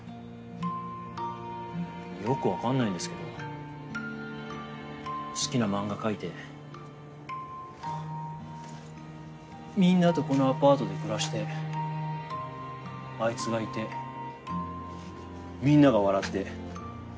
よくわかんないんですけど好きな漫画描いてみんなとこのアパートで暮らしてあいつがいてみんなが笑って。